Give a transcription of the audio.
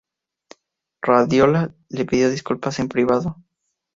Badiola le pidió disculpas en privado.